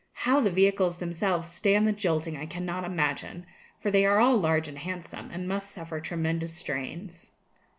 How the vehicles themselves stand the jolting I cannot imagine, for they are all large and handsome, and must suffer tremendous strains.